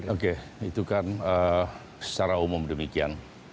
oke itu kan secara umum demikian